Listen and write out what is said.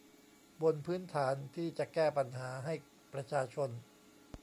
บนพื้นฐานที่จะแก้ปัญหาให้ประชาชน